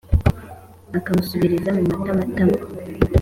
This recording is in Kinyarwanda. ukamusubiriza mu matamatama